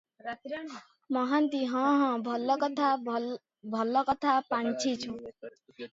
ମହାନ୍ତି-ହଁ -ହଁ, ଭଲ କଥା, ଭଲ ଲଥା ପାଞ୍ଚିଛୁ ।